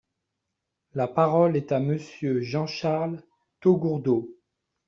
La parole est à Monsieur Jean-Charles Taugourdeau.